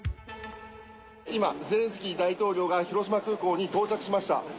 今、ゼレンスキー大統領が広島空港に到着しました。